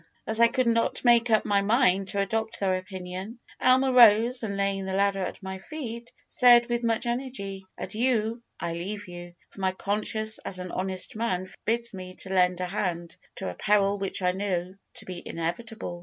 As I could not make up my mind to adopt their opinion, Almer rose, and laying the ladder at my feet, said, with much energy, 'Adieu, I leave you, for my conscience as an honest man forbids me to lend a hand to a peril which I know to be inevitable.'